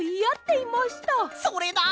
それだ！